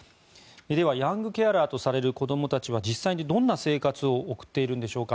では、ヤングケアラーとされる子どもたちは実際にどんな生活を送っているのでしょうか。